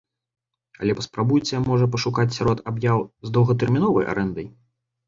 Але паспрабуйце можа пашукаць сярод аб'яў з доўгатэрміновай арэндай.